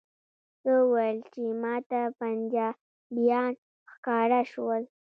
ده وویل چې ماته پنجابیان ښکاره شول.